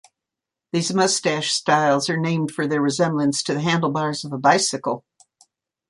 These moustache styles are named for their resemblance to the handlebars of a bicycle.